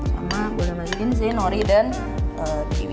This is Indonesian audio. sama gula maizene nori dan kiwi